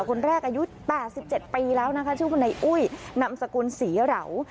คนแรกอายุ๘๗ปีแล้วนะคะชื่อว่าในอุ้ยนามสกุลศรีเหลา